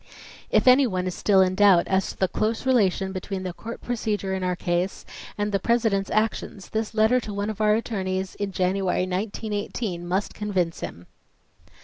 If any one is still in doubt as to the close relation between the Court procedure in our case and the President's actions, this letter to one of our attorneys in January, 1918, must convince him.